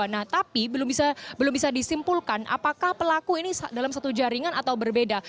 nah tapi belum bisa disimpulkan apakah pelaku ini dalam satu jaringan atau berbeda